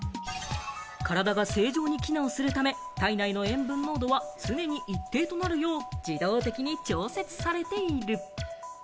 体が正常に機能するため、体内の塩分濃度は常に一定となるよう自動的に調節されている。